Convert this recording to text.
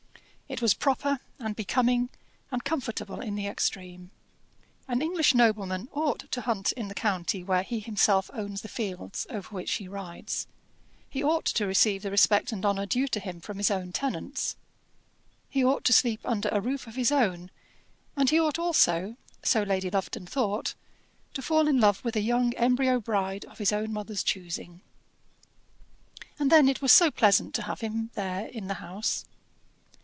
It was proper, and becoming, and comfortable in the extreme. An English nobleman ought to hunt in the county where he himself owns the fields over which he rides; he ought to receive the respect and honour due to him from his own tenants; he ought to sleep under a roof of his own, and he ought also so Lady Lufton thought to fall in love with a young embryo bride of his own mother's choosing. And then it was so pleasant to have him there in the house.